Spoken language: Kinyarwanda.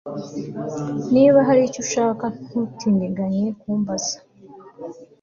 Niba hari icyo ushaka ntutindiganye kumbaza